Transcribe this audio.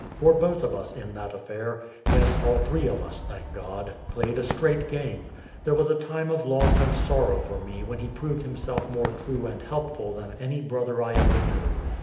For both of us in that affair yes, all three of us, thank God played a straight game. There was a time of loss and sorrow for me when he proved himself more true and helpful than any brother that I ever knew.